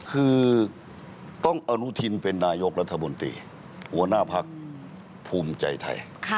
คือต้องอนุทินเป็นนายกรัฐมนตรีหัวหน้าพักภูมิใจไทย